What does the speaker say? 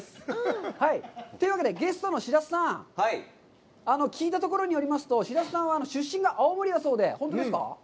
というわけでゲストの白洲さん、聞いたところによりますと、白洲さんは出身が青森だそうで、本当ですか？